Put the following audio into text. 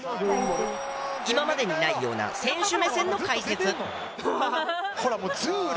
今までにないような選手目線の解説。